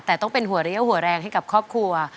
แต่ต้องเป็นหัวเรี่ยวหัวแรงให้กับครอบครัว